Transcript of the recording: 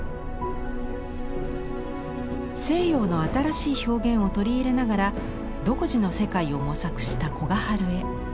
西洋の新しい表現を取り入れながら独自の世界を模索した古賀春江。